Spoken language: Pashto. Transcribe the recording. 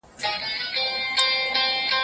ښځه له نارينه سره په ډيرو حقوقو کي مساوي ده.